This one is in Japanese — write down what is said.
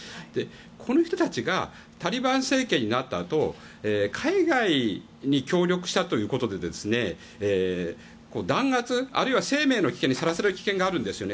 この人たちがタリバン政権になったあと海外に協力したということで弾圧あるいは生命の危機にさらされる危険があるんですよね。